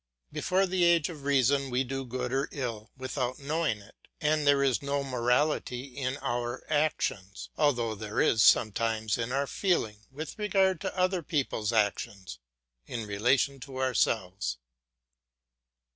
Before the age of reason we do good or ill without knowing it, and there is no morality in our actions, although there is sometimes in our feeling with regard to other people's actions in relation to ourselves.